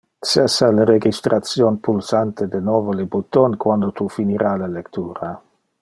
Cessa le registration pulsante de novo le button, quando tu finira le lectura.